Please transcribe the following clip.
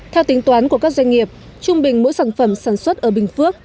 theo tính toán của các doanh nghiệp trung bình mỗi sản phẩm sản xuất ở bình phước